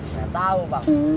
saya tahu bang